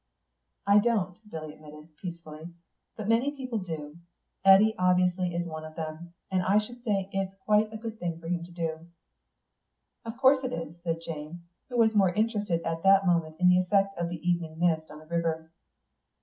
"I don't," Billy admitted, peacefully. "But many people do. Eddy obviously is one of them. And I should say it's quite a good thing for him to do." "Of course it is," said Jane, who was more interested at the moment in the effect of the evening mist on the river.